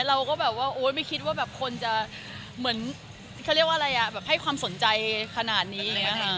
เราก็แบบว่าโอ๊ยไม่คิดว่าคนจะเหมือนเขาเรียกว่าอะไรอะแบบให้ความสนใจขนาดนี้